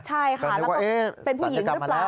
ใช่ค่ะแล้วก็เป็นผู้หญิงหรือเปล่า